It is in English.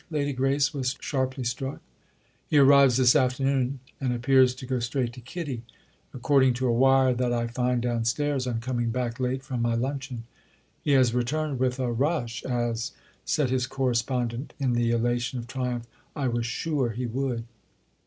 —Lady Grace was sharply struck. "He arrives this afternoon and appears to go straight to Kitty—according to a wire that I find downstairs on coming back late from my luncheon. He has returned with a rush—as," said his correspondent in the elation of triumph, "I was sure he would!"